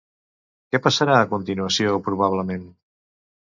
Què passarà a continuació probablement?